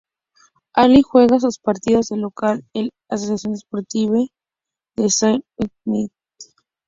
Allí juega sus partidos de local el Association Sportive de Saint-Étienne.